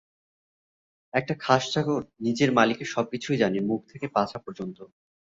একটা খাস চাকর নিজের মালিকের সবকিছুই জানে, মুখ থেকে পাছা পর্যন্ত।